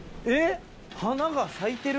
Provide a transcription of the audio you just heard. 花が咲いてる？